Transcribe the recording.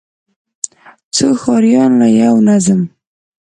څو ښاريان له يو منظم،